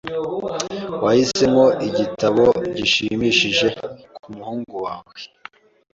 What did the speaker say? Wahisemo igitabo gishimishije kumuhungu wawe?